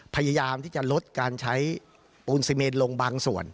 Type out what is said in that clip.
พยายามที่จะลดการใช้ปูนซีเมนลงบางส่วน